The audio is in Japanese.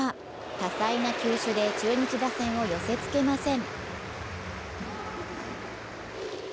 多彩な球種で中日打線を寄せつけません。